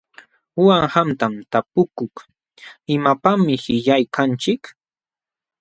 Uqam qamta tapukuk: ¿Imapaqmi qillqaykanchik?